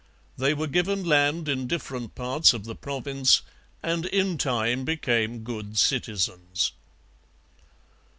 They were given land in different parts of the province and in time became good citizens.